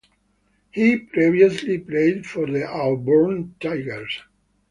He previously played for the Auburn Tigers.